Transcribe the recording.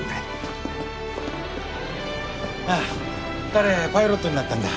彼パイロットになったんだ。